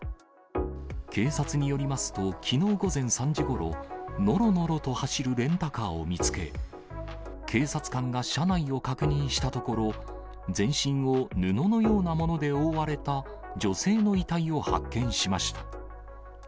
警察によりますと、きのう午前３時ごろ、のろのろと走るレンタカーを見つけ、警察官が車内を確認したところ、全身を布のようなもので覆われた女性の遺体を発見しました。